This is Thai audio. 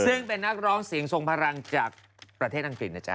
ซึ่งเป็นนักร้องเสียงทรงพลังจากประเทศอังกฤษนะจ๊